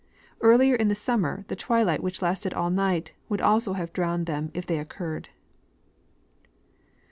Earlier in the summer the twHight, which lasted all night, would also have drowned them if they occurred.